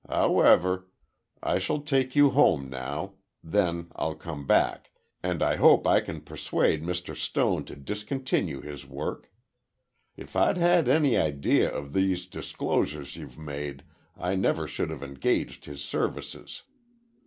However, I shall take you home now, then I'll come back and I hope I can persuade Mr. Stone to discontinue his work. If I'd had any idea of these disclosures you've made, I never should have engaged his services.